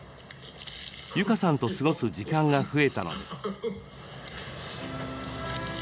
悠加さんと過ごす時間が増えたのです。